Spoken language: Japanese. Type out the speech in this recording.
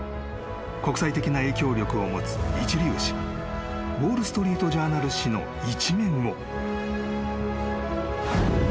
［国際的な影響力を持つ一流紙ウォール・ストリート・ジャーナル紙の一面を］